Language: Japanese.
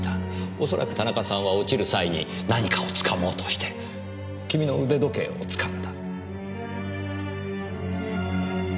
恐らく田中さんは落ちる際に何かをつかもうとして君の腕時計をつかんだ。